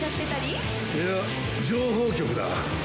いや情報局だ。